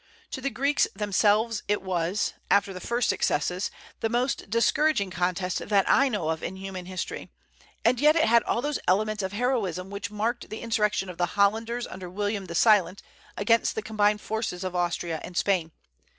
To the Greeks themselves it was, after the first successes, the most discouraging contest that I know of in human history; and yet it had all those elements of heroism which marked the insurrection of the Hollanders under William the Silent against the combined forces of Austria and Spain.